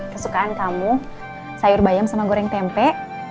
kesukaan kamu sayur bayam sama goreng tempe